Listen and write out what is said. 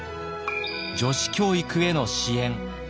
女子教育への支援。